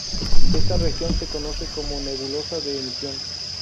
Esta región se conoce como nebulosa de emisión.